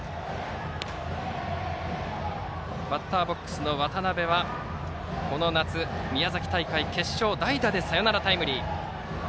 バッターボックスの渡邊はこの夏、宮崎大会決勝代打でサヨナラタイムリー。